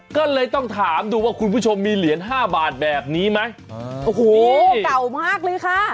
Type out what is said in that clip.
ก็เลยต้องถามดูว่าคุณผู้ชมมีเหรียญห้าบาทแบบนี้ไหมโอ้โหเก่ามากเลยค่ะ